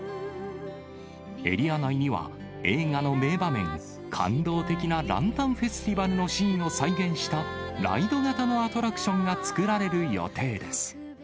エリア内には、映画の名場面、感動的なランタンフェスティバルのシーンを再現したライド型のアトラクションが作られる予定です。